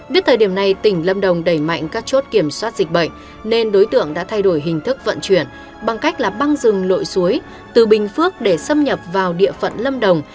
biết thời điểm này tỉnh lâm đồng đẩy mạnh các chốt kiểm soát dịch bệnh nên đối tượng đã thay đổi hình thức vận chuyển bằng cách là băng rừng lội suối từ bình phước để xâm nhập vào địa phận lâm đồng